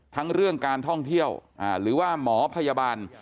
ทั้งเรื่องการท่องเที่ยวหรือว่าหมอพยาบาล